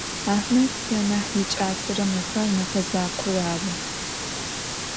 Ахьмэд янахь икӏасэрэ мэфэр мэфэзакъор ары.